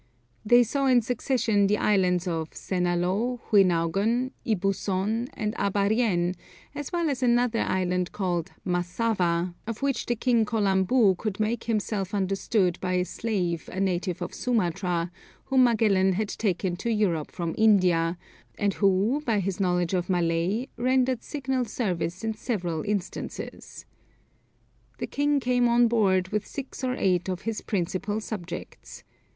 They saw in succession the islands of Cenalo, Huinaugan, Ibusson, and Abarien, as well as another island called Massava, of which the king Colambu could make himself understood by a slave a native of Sumatra, whom Magellan had taken to Europe from India, and who by his knowledge of Malay rendered signal service in several instances. The king came on board with six or eight of his principal subjects.